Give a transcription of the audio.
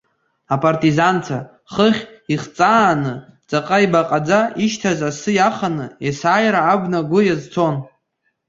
Апартизанцәа, хыхь ихҵааны, ҵаҟа ибаҟаӡа ишьҭаз асы иаханы, есааира абна агәы иазцон.